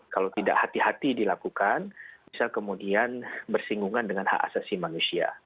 kalau tidak hati hati dilakukan bisa kemudian bersinggungan dengan hak asasi manusia